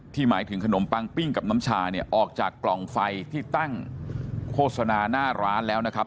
หมายถึงขนมปังปิ้งกับน้ำชาเนี่ยออกจากกล่องไฟที่ตั้งโฆษณาหน้าร้านแล้วนะครับ